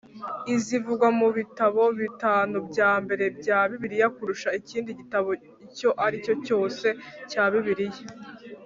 izivugwa mu bitabo bitanu bya mbere bya bibiliya kurusha ikindi gitabo icyo ari cyo cyose cya bibiliya